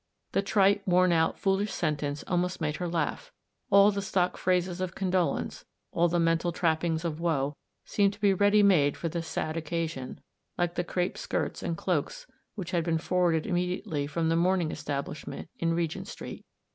The trite, worn out, foolish sen tence almost made her laugh. All the stock phrases of condolence, all the mental trap pings of woe, seemed to be ready made for the " sad occasion," like the crape skirts and cloaks which had been forwarded immedi ately from the mourning establishment in Regent Street.